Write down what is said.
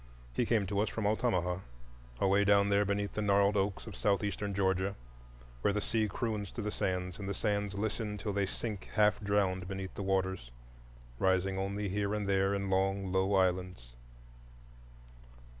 He came to us from Altamaha, away down there beneath the gnarled oaks of Southeastern Georgia, where the sea croons to the sands and the sands listen till they sink half drowned beneath the waters, rising only here and there in long, low islands.